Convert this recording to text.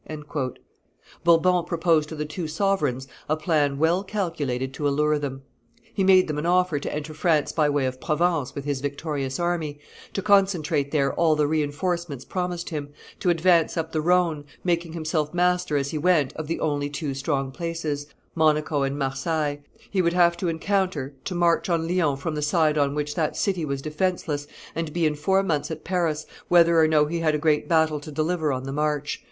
Bourbon proposed to the two sovereigns a plan well calculated to allure them. He made them an offer to enter France by way of Provence with his victorious army, to concentrate there all the re enforcements promised him, to advance up the Rhone, making himself master as he went of the only two strong places, Monaco and Marseilles, he would have to encounter, to march on Lyons from the side on which that city was defenceless, and be in four months at Paris, whether or no he had a great battle to deliver on the march.